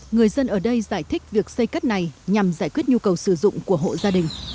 người dân ở đây giải thích việc xây cất này nhằm giải quyết nhu cầu sử dụng của hộ gia đình